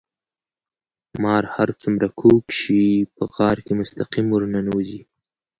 مار هر څومره کوږ شي په غار کې مستقيم ورننوزي.